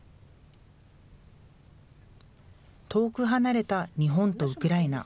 遠く離れた日本とウクライナ。